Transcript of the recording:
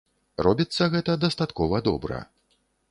Робіцца гэта дастаткова добра.